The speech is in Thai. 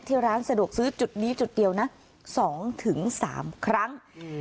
ร้านสะดวกซื้อจุดนี้จุดเดียวนะ๒๓ครั้ง